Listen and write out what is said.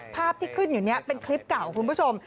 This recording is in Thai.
ภาพที่ขึ้นอยู่นี้เป็นคลิปเก่าคุณผู้ชม